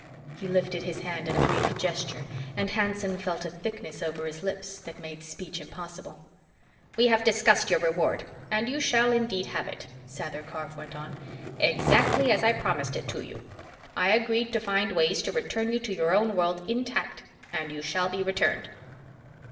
He lifted his hand in a brief gesture and Hanson felt a thickness over his lips that made speech impossible. "We have discussed your reward, and you shall indeed have it," Sather Karf went on. "Exactly as I promised it to you. I agreed to find ways to return you to your own world intact, and you shall be returned."